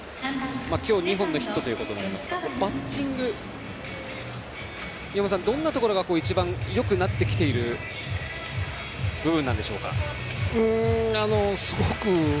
今日２本のヒットとなりますが宮本さんバッティングはどんなところが一番よくなってきている部分なんでしょうか。